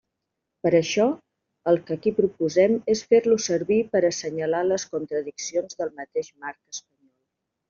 Per això, el que ací proposem és fer-lo servir per a assenyalar les contradiccions del mateix marc espanyol.